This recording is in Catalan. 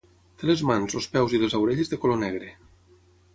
Té les mans, els peus i les orelles de color negre.